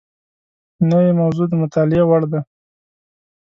نوې موضوع د مطالعې وړ ده